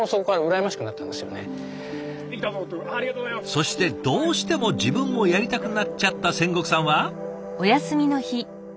そしてどうしても自分もやりたくなっちゃった仙石さんは。